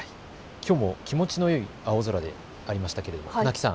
きょうも気持ちのいい青空でありましたけれども船木さん